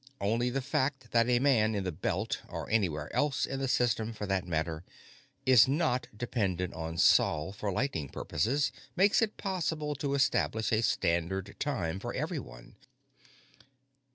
Only the fact that a man in the Belt or anywhere else in the System, for that matter is not dependent on Sol for lighting purposes makes it possible to establish a Standard Time for everyone.